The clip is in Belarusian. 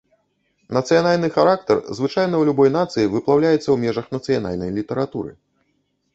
Нацыянальны характар звычайна ў любой нацыі выплаўляецца ў межах нацыянальнай літаратуры.